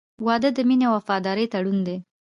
• واده د مینې او وفادارۍ تړون دی.